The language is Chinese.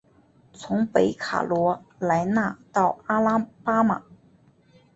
从北卡罗来纳到阿拉巴马。